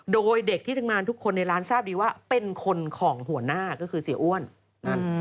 โดยเด็กที่ทำงานทุกคนในร้านทราบดีว่าเป็นคนของหัวหน้าก็คือเสียอ้วนนั่น